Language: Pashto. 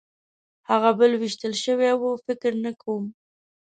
هغه بل وېشتل شوی و؟ فکر نه کوم.